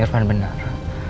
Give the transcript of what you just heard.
om irfan benar